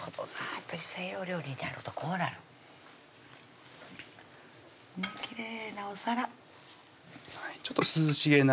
やっぱり西洋料理になるとこうなるきれいなお皿ちょっと涼しげな